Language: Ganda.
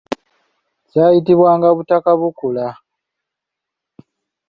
Kyayitibwanga Butakabukula.